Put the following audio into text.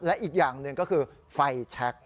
และอีกอย่างหนึ่งก็คือไฟแชค